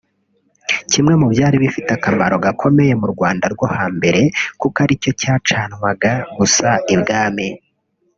kimwe mu byari bifite akamaro gakomeye mu Rwanda rwo hambere kuko ari cyo cyacanwaga gusa i bwami